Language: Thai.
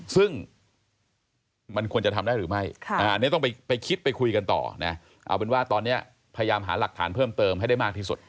ซึ่งมันควรจะทำได้หรือไม่อันนี้ต้องไปคิดไปคุยกันต่อนะเอาเป็นว่าตอนนี้พยายามหาหลักฐานเพิ่มเติมให้ได้มากที่สุด